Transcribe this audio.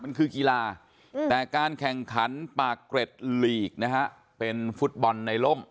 มันคือกีฬาแต่การแข่งขันปากเกร็ดลีกนะฮะเป็นฟุตบอลในร่ม